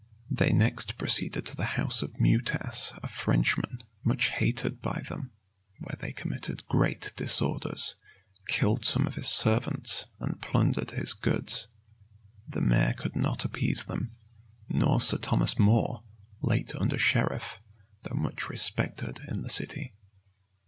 They next proceeded to the house of Meutas, a Frenchman, much hated by them; where they committed great disorders; killed some of his servants; and plundered his goods. The mayor could not appease them; nor Sir Thomas More, late under sheriff, though much respected in the city.